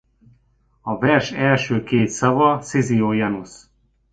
A vers első két szava Cisio Janus.